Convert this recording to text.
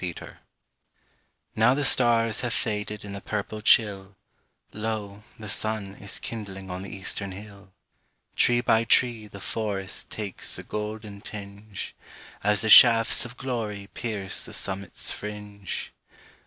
At Sunrise Now the stars have faded In the purple chill, Lo, the sun is kindling On the eastern hill. Tree by tree the forest Takes the golden tinge, As the shafts of glory Pierce the summit's fringe.